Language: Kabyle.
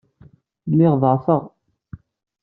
Lliɣ ḍeɛfeɣ.